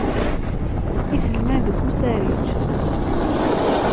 Iselman deg usarij.